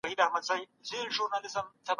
بوډاګانو درناوی د عبادت برخه وګرځېد.